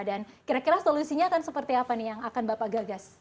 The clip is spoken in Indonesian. dan kira kira solusinya akan seperti apa nih yang akan bapak gagas